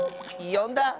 よんだ？